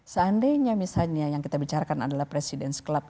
seandainya misalnya yang kita bicarakan adalah presiden club